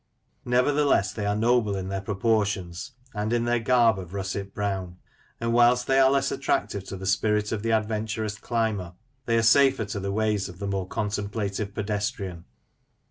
Nevertheless, they are noble in their proportions, and in their garb of russet brown; and, whilst they are less attractive to the spirit of the adventurous climber, they are safer to the ways of the more contemplative pedestrian.